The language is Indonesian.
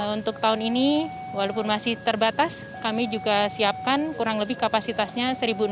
untuk tahun ini walaupun masih terbatas kami juga siapkan kurang lebih kapasitasnya satu enam ratus